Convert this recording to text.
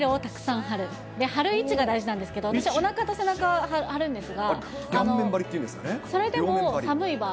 貼る位置が大事なんですけど、私、おなかと背中を貼るんですが。